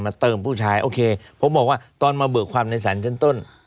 เติมผู้ชายโอเคผมบอกว่าตอนมาเบิกความในสารชั้นต้น